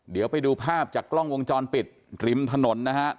เดี๋ยวไปดูภาพจากกล้องวงจรปิดริมถนนนะครับ